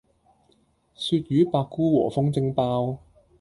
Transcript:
鱈魚百菇和風蒸包